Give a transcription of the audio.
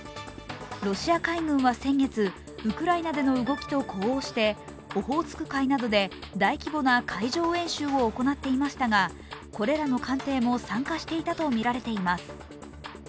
ロシア海軍は先月、ウクライナでの動きと呼応してオホーツク海などで大規模な海上演習を行っていましたが、これらの艦艇も参加していたとみられています。